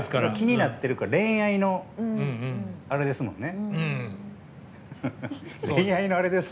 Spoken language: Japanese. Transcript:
気になってるから恋愛のあれですもんね。